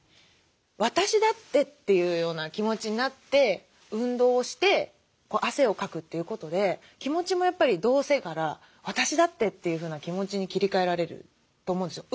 「私だって」っていうような気持ちになって運動をして汗をかくということで気持ちもやっぱり「どうせ」から「私だって」というふうな気持ちに切り替えられると思うんですよ。